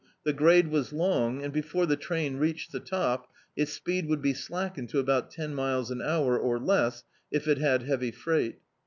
The grade was long and before the train reached the top, its speed would be slackened to about ten miles an hour, or less, if it had heavy freight.